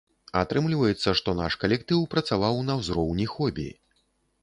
Атрымліваецца, што наш калектыў працаваў на ўзроўні хобі.